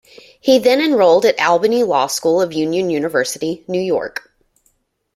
He then enrolled at Albany Law School of Union University, New York.